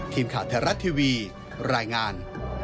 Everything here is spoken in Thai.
ทีมข่าวไทยรัฐทีวีรายงาน